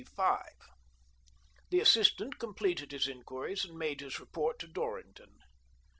The assistant completed his inquiries and made his report to Dorrington.